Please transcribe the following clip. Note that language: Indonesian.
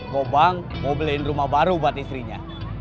kok bang mau beliin rumah baru buat istrinya